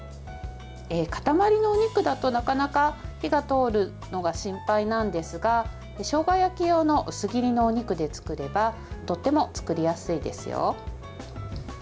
塊のお肉だとなかなか火が通るのが心配なんですがしょうが焼き用の薄切りのお肉で作ればとても作りやすいですよ。